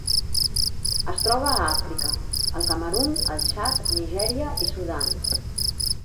Es troba a Àfrica: el Camerun, el Txad, Nigèria i Sudan.